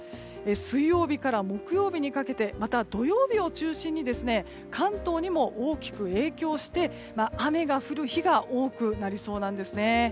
水曜日から木曜日にかけてまた土曜日を中心に関東にも大きく影響して雨が降る日が多くなりそうなんですね。